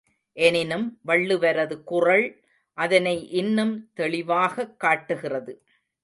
எனினும் வள்ளுவரது குறள் அதனை இன்னும் தெளிவாக்கிக் காட்டுகிறது.